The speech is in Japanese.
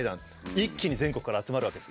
一気に全国から集まるわけです。